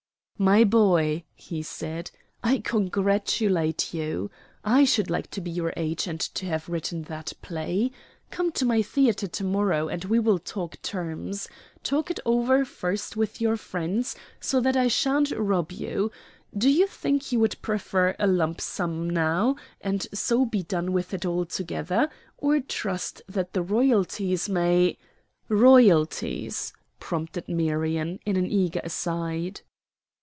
"My boy," he said, "I congratulate you. I should like to be your age, and to have written that play. Come to my theatre to morrow and we will talk terms. Talk it over first with your friends, so that I sha'n't rob you. Do you think you would prefer a lump sum now, and so be done with it altogether, or trust that the royalties may " "Royalties," prompted Marion, in an eager aside.